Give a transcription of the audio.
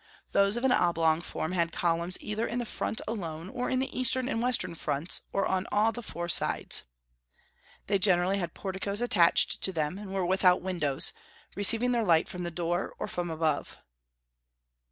Those of an oblong form had columns either in the front alone, or in the eastern and western fronts, or on all the four sides. They generally had porticos attached to them, and were without windows, receiving their light from the door or from above.